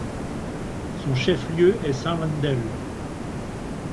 Son chef-lieu est Saint-Wendel.